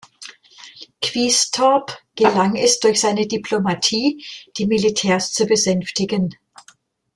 Quistorp gelang es durch seine Diplomatie, die Militärs zu besänftigen.